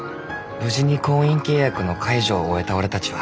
無事に婚姻契約の解除を終えた俺たちは。